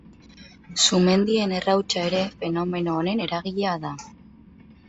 Sumendien errautsa ere fenomeno honen eragilea da.